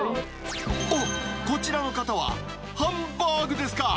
おっ、こちらの方はハンバーグですか。